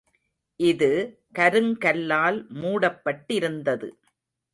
இது கருங்கல்லால் மூடப்பட்டிருந்தது.